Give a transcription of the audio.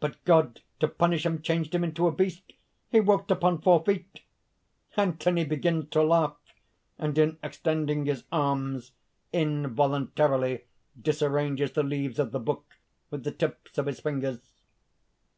But God, to punish him, changed him into a beast! He walked upon four feet!" (_Anthony begins to laugh; and in extending his arms, involuntarily disarranges the leaves of the book with the tips of his fingers.